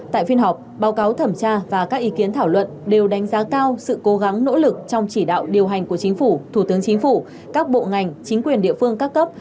tại phiên họp báo cáo thẩm tra và các ý kiến thảo luận đều đánh giá cao sự cố gắng nỗ lực trong chỉ đạo điều hành của chính phủ thủ tướng chính phủ các bộ ngành chính quyền địa phương các cấp